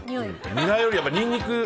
ニラよりニンニク。